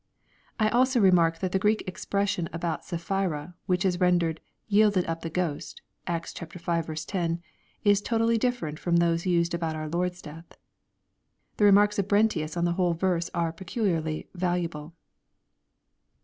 I also re mark that the Greek expression about Sapphira, which is ren dered, "yielded up the ghost," (Acta v. 10,) is totally different from those used about our Lord's death. The remarks of Brentius on the whole verse are peculiarly valuable.